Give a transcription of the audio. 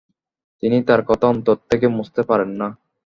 তিনি তার কথা অন্তর থেকে মুছতে পারেন না।